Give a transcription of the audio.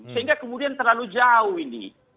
sehingga kemudian terlalu jauh ini